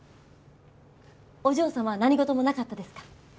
お嬢様何事もなかったですか？